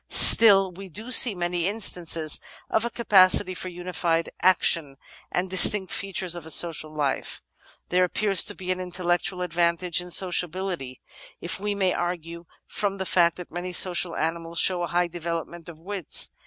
Still, we do see many instances of a capacity for unified action and distinct features of a social life. "There appears to be an intel lectual advantage in sociability, if we may argue from the fact that many social animals show a high development of wits.